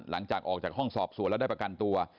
หลังจากออกจากห้องสอบสวนแล้วได้ประกันตัว